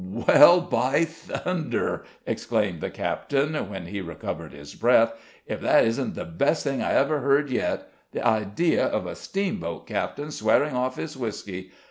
"Well, by thunder!" exclaimed the captain, when he recovered his breath; "if that isn't the best thing I ever heard yet! The idea of a steamboat captain swearing off his whisky!